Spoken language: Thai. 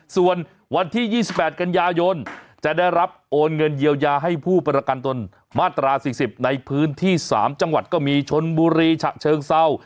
ส่วนวันที่๒๘กันยายนจะได้รับโอนเงินเยียวยาให้ผู้ประกันตนมาตรา๔๐ในพื้นที่๓จังหวัดก็มีชนบุรีฉะเชิงเศร้า